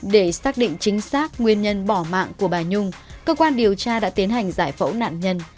để xác định chính xác nguyên nhân bỏ mạng của bà nhung cơ quan điều tra đã tiến hành giải phẫu nạn nhân